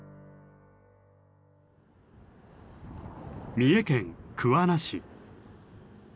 三重県桑名市。